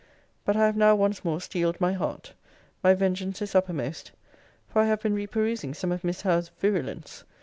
But I have now once more steeled my heart. My vengeance is uppermost; for I have been reperusing some of Miss Howe's virulence.